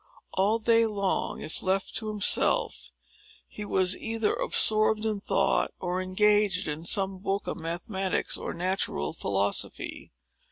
All day long, if left to himself, he was either absorbed in thought, or engaged in some book of mathematics, or natural philosophy.